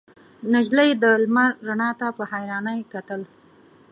نجلۍ د لمر رڼا ته په حيرانۍ کتل.